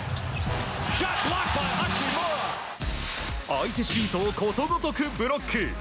相手シュートをことごとくブロック！